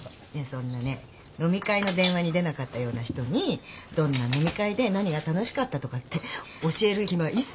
そんなね飲み会の電話に出なかったような人にどんな飲み会で何が楽しかったとかって教える気は一切ございませんから。